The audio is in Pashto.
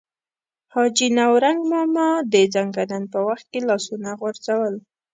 حاجي نورنګ ماما د ځنکدن په وخت کې لاسونه غورځول.